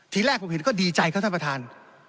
ทีแรกผมเห็นก็ดีใจครับท่านประธาน